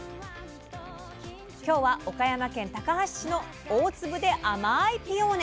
今日は岡山県高梁市の大粒で甘いピオーネ。